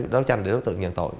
đối tranh để đối tượng nhận tội